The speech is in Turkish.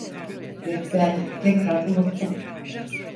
Ve ben tekrar unuttum.